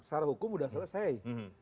salah hukum sudah selesai